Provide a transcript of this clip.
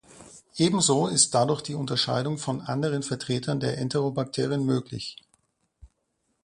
Ebenso ist dadurch die Unterscheidung von anderen Vertretern der Enterobakterien möglich.